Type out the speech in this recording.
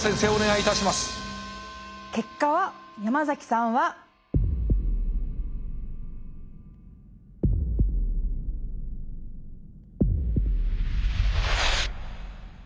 結果は山崎さんは。え！